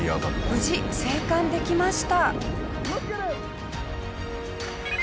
無事生還できました。